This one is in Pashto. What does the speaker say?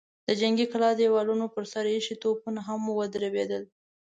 د جنګي کلا د دېوالونو پر سر ايښي توپونه هم ودربېدل.